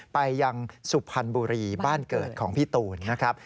ไปยังสุพรรณบุรีบ้านเกิดของพี่ตูนนะครับ